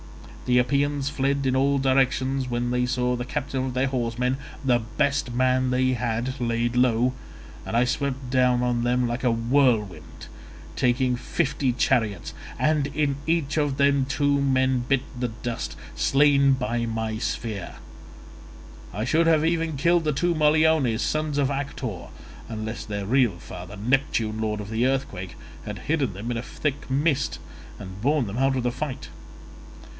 The Epeans fled in all directions when they saw the captain of their horsemen (the best man they had) laid low, and I swept down on them like a whirlwind, taking fifty chariots—and in each of them two men bit the dust, slain by my spear. I should have even killed the two Moliones, sons of Actor, unless their real father, Neptune lord of the earthquake, had hidden them in a thick mist and borne them out of the fight.